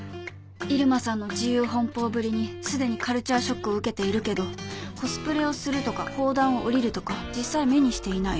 入間さんの自由奔放ぶりにすでにカルチャーショックを受けているけどコスプレをするとか法壇をおりるとか実際目にしていない。